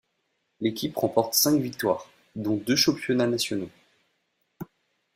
L'équipe remporte cinq victoires, dont deux championnats nationaux.